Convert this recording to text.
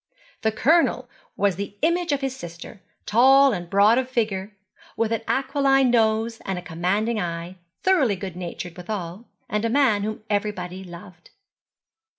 The Colonel was the image of his sister, tall and broad of figure, with an aquiline nose and a commanding eye, thoroughly good natured withal, and a man whom everybody loved.